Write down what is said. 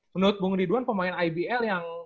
menurut bung ridwan pemain ibl yang